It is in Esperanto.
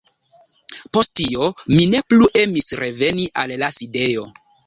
Post tio, mi ne plu emis reveni al la sidejo.